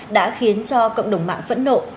đã khiến cho cộng đồng mạng phẫn nộ